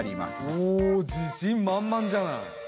おお自信満々じゃない。